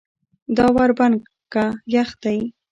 دا ور بند که یخ دی.